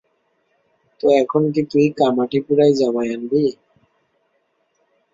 তো এখন কি তুই কামাঠিপুরায় জামাই আনবি?